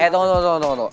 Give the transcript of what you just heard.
eh tunggu tunggu tunggu